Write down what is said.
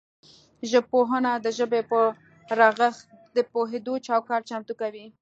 ژبپوهنه د ژبې پر رغښت د پوهیدو چوکاټ چمتو کوي